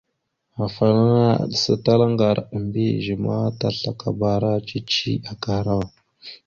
Afalaŋa aɗəsatalá ŋgar a mbiyez ma, taslakabara cici akahərawa.